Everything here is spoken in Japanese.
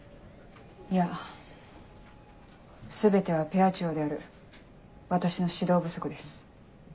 いや全てはペア長である私の指導不足です。